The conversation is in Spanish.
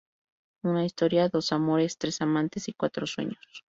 Una historia, dos amores, tres amantes y cuatro sueños.